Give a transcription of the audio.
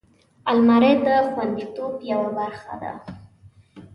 الماري د خوندیتوب یوه برخه ده